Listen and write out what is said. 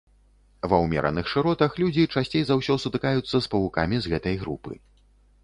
Ва ўмераных шыротах людзі часцей за ўсё сутыкаюцца з павукамі з гэтай групы.